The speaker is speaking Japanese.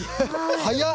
早っ！